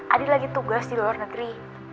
adi lagi tugas di luar negeri